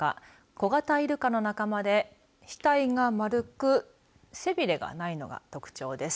小型イルカの仲間で額が丸く、背びれがないのが特徴です。